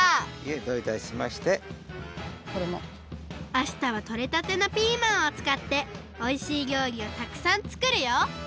あしたはとれたてのピーマンをつかっておいしいりょうりをたくさんつくるよ。